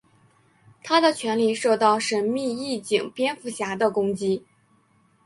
他的权力受到神秘义警蝙蝠侠的攻击。